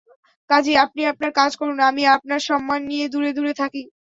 কাজেই আপনি আপনার কাজ করুন, আমি আমার সম্মান নিয়ে দূরে দূরে থাকি।